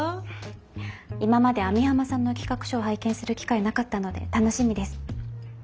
今まで網浜さんの企画書を拝見する機会なかったので楽しみです。